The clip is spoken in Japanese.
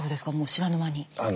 知らぬ間に。